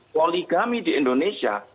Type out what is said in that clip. poligami di indonesia